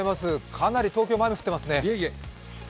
かなり東京も雨降ってますね。